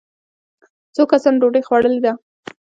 څو کسانو ډوډۍ خوړلې ده.